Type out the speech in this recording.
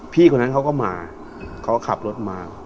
คนนั้นเขาก็มาเขาก็ขับรถมา